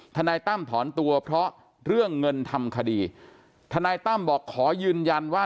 ทนายตั้มถอนตัวเพราะเรื่องเงินทำคดีทนายตั้มบอกขอยืนยันว่า